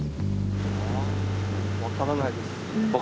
わからないですか。